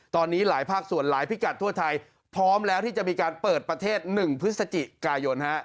ตอนนี้หลายภาคส่วนหลายพิกัดทั่วไทยพร้อมแล้วที่จะมีการเปิดประเทศ๑พฤศจิกายน